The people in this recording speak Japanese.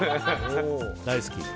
大好き。